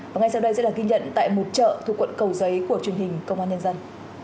và ngay sau đây sẽ là ghi nhận tại một chợ thuộc quận cầu giấy của truyền hình công an nhân dân